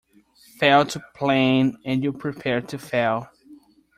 Fail to plan, and you Prepare to fail.